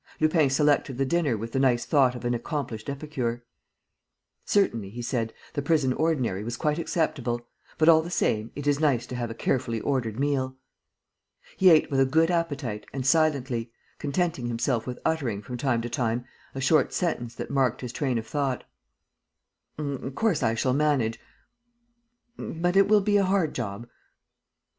Lupin selected the dinner with the nice thought of an accomplished epicure: "Certainly," he said, "the prison ordinary was quite acceptable; but, all the same, it is nice to have a carefully ordered meal." He ate with a good appetite and silently, contenting himself with uttering, from time to time, a short sentence that marked his train of thought: "Of course, I shall manage ... but it will be a hard job.